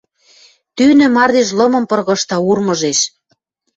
Тӱнӹ мардеж лымым пыргыжта, урмыжеш.